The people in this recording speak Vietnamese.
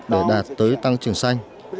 để đạt tới tăng trưởng xanh